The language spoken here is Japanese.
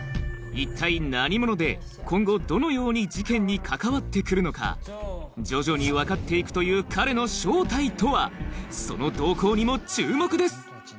一体何者で今後どのように事件に関わって来るのか徐々に分かって行くというその動向にも注目です